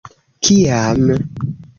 kiam